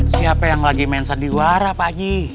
siapa yang lagi main sandiwara pak ji